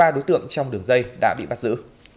hai mươi ba đối tượng trong đường dây đã bị bắt giữ